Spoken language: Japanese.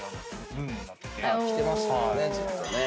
きてますもんねずっとね。